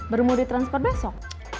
baru mau di transfer besok